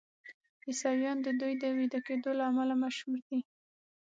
عیسویان د دوی د ویده کیدو له امله مشهور دي.